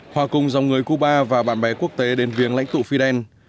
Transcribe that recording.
hòa cùng dòng người cuba và bạn bè quốc tế đến viếng lãnh tụ fidel